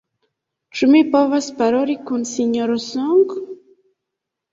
Ĉu mi povas paroli kun Sinjoro Song?